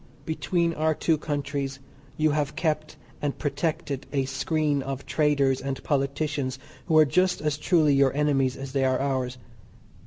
Between our two countries you have kept and protected a screen of traders and politicians who are just as truly your enemies as they are ours.